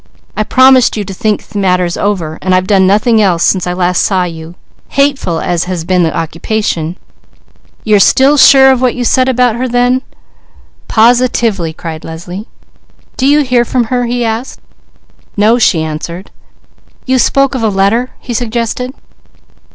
I promised you to think matters over, and I've done nothing else since I last saw you, hateful as has been the occupation. You're still sure of what you said about her then?" "Positively!" cried Leslie. "Do you hear from her?" he asked. "No," she answered. "You spoke of a letter " he suggested.